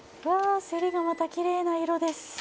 わあせりがまたきれいな色です！